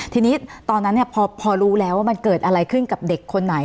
ทีนี้ตอนนั้นพอรู้แล้วว่ามันเกิดอะไรขึ้นกับเด็กคนไหน